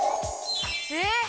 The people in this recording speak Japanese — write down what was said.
えっ！？